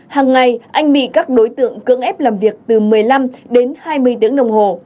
hàng ngày anh bị các đối tượng cưỡng ép làm việc từ một mươi năm đến hai mươi tiếng đồng hồ